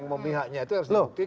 yang memihaknya itu harus dibuktikan